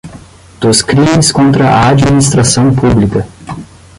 Dos crimes contra a administração pública.